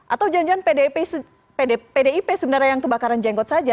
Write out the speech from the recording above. atau jauh jauh pdip sebenarnya yang kebakaran jenggot saja